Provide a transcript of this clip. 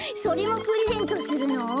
それもプレゼントするの？